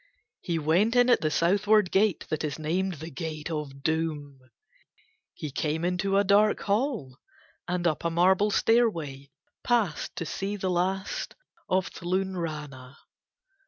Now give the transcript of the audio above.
He went in at the southward gate that is named the Gate of the Doom. He came into a dark hall, and up a marble stairway passed to see the last of Thlunrana.